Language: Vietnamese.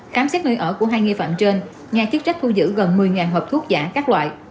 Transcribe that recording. khám xét nơi ở của hai nghi phạm trên nhà chức trách thu giữ gần một mươi hộp thuốc giả các loại